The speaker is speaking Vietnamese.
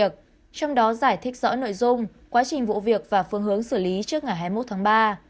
trong đó giải thích rõ nội dung quá trình vụ việc và phương hướng xử lý trước ngày hai mươi một tháng ba